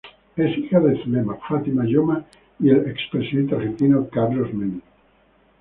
Es hija de Zulema Fátima Yoma y el expresidente argentino Carlos Menem.